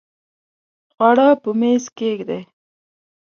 خواړه په میز کښېږدئ